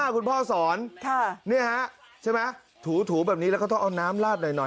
คุณพ่อสอนใช่ไหมถูแบบนี้แล้วก็ต้องเอาน้ำลาดหน่อย